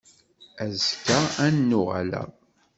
Azekka ad n-uɣaleɣ.